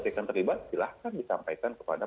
yang terlibat silahkan disampaikan kepada